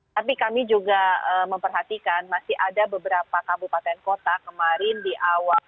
tapi kami juga memperhatikan masih ada beberapa kabupaten kota kemarin di awal